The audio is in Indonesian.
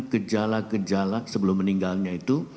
gejala gejala sebelum meninggalnya itu